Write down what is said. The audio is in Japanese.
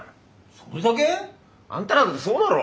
それだけ！？あんたらだってそうだろ！